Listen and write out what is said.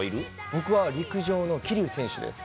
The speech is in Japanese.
僕は陸上の桐生選手です。